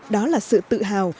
đó là sự tự hào